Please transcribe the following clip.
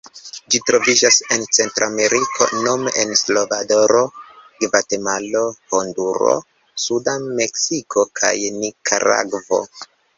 Ĝi troviĝas en Centrameriko nome en Salvadoro, Gvatemalo, Honduro, suda Meksiko kaj Nikaragvo.